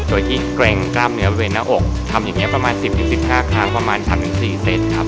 โดยที่เกรงกล้ามเนื้อเบรนหน้าอกทำอย่างเงี้ยประมาณสิบสิบสิบห้าครั้งประมาณทำถึงสี่เซ็นต์ครับ